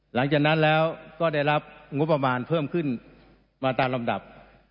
หลังจากนั้นแล้วก็ได้รับงบประมาณเพิ่มขึ้นมาตามลำดับ